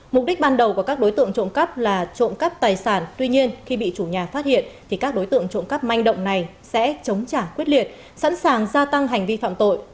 mục đích ban đầu của các đối tượng trộm cắp là trộm cắp tài sản tuy nhiên khi bị chủ nhà phát hiện thì các đối tượng trộm cắp manh động này sẽ chống trả quyết liệt sẵn sàng gia tăng hành vi phạm tội